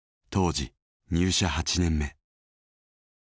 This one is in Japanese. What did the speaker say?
当時入社８年目。